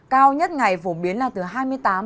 cao nhất ngày phổ biến là mưa rông rải rác